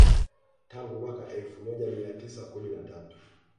Tangu mwaka elfu moja mia tisa kumi na tatu